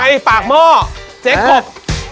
นี่ปากม่อเจ๊กลบ